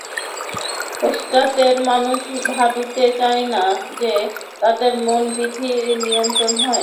পাশ্চাত্যের মানুষ ভাবিতে চায় না যে, তাহার মন বিধি দ্বারা নিয়ন্ত্রিত হয়।